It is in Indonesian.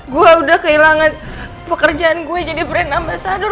gue udah kehilangan pekerjaan gue jadi brand ambasador